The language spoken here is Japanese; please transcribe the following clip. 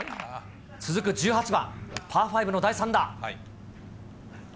続く１８番パー５の第３打。